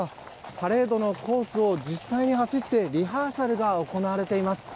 パレードのコースを実際に走ってリハーサルが行われています。